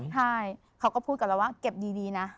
ใช่เขาก็พูดกับเราว่าเก็บดีนะ